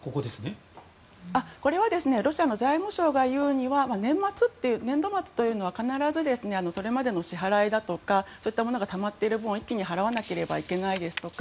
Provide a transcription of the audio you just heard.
これはロシアの財務省が言うには年度末というのは必ずそれまでの支払いだとかそういったものがたまっている分を一気に払わなければいけないですとか